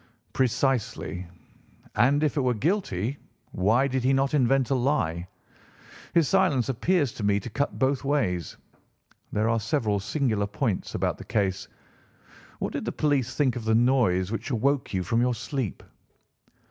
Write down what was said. "Precisely. And if it were guilty, why did he not invent a lie? His silence appears to me to cut both ways. There are several singular points about the case. What did the police think of the noise which awoke you from your sleep?"